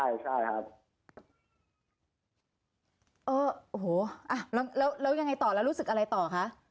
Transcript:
เออโอ้โหอ่ะแล้วก็ยังไงต่อรู้สึกอะไรต่อคะ